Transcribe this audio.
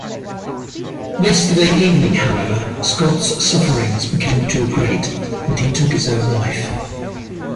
Yesterday evening, however, Scott's sufferings became too great, and he took his own life.